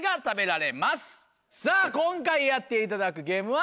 さぁ今回やっていただくゲームは。